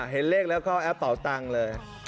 เห็นเลขแล้วก็แอปเป่าตังค์เลย